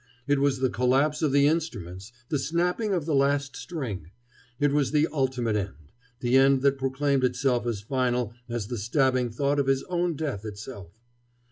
It was the collapse of the instruments, the snapping of the last string. It was the ultimate end, the end that proclaimed itself as final as the stabbing thought of his own death itself.